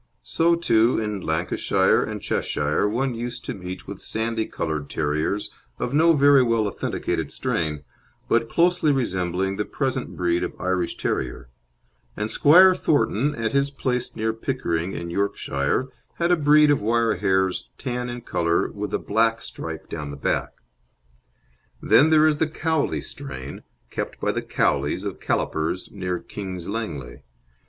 So, too, in Lancashire and Cheshire one used to meet with sandy coloured terriers of no very well authenticated strain, but closely resembling the present breed of Irish Terrier; and Squire Thornton, at his place near Pickering, in Yorkshire, had a breed of wire hairs tan in colour with a black stripe down the back. Then there is the Cowley strain, kept by the Cowleys of Callipers, near King's Langley.